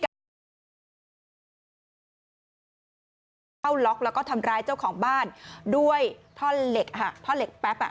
คนร้ายเข้าล็อกแล้วก็ทำร้ายเจ้าของบ้านด้วยท่อนเหล็กอ่ะท่อนเหล็กแป๊บอ่ะ